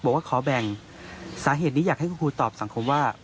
บอกว่าขอแบ่งสาเหตุนี้อยากให้คุณครูตอบสังคมว่า